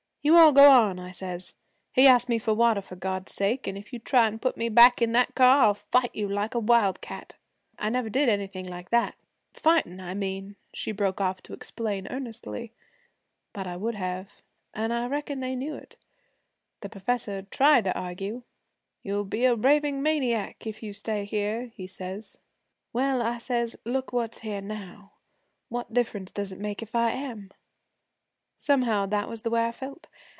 "You all go on," I says. "He asked me for water for God's sake, an' if you try to put me back in that car I'll fight you like a wildcat." I never did anything like that, fightin', I mean,' she broke off to explain earnestly, 'but I would have, an' I reckon they knew it. The professor tried to argue. "You'll be a raving maniac if you stay here," he says. "Well," I says, "look what's here now what difference does it make if I am?" Somehow that was the way I felt.